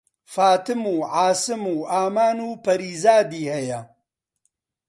فاتم و عاسم و ئامان و پەریزادی هەیە